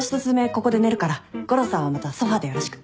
ここで寝るから悟郎さんはまたソファでよろしく。